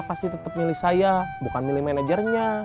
prita pasti tetep milih saya bukan milih manajernya